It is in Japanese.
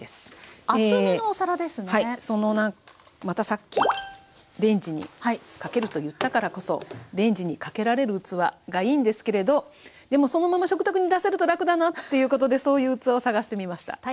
またさっきレンジにかけると言ったからこそレンジにかけられる器がいいんですけれどでもそのまま食卓に出せると楽だなっていうことでそういう器を探してみました。